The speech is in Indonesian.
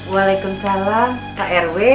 waalaikumsalam kak erwet